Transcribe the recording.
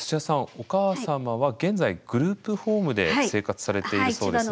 お母様は現在グループホームで生活されているそうですね。